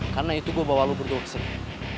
karena itu gue bawa lo berdua kesini